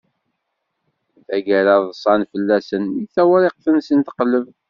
Tagara ḍsan fell-asen, mi tawriqt-nsen teqleb.